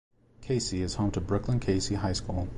Cayce is home to Brookland-Cayce High School.